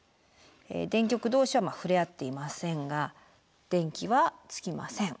電極同士は触れ合っていませんが電気はつきません。